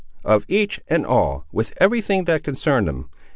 "Of each and all, with every thing that concerned them.